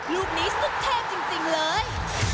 ลูกนี้สุดเทพจริงเลย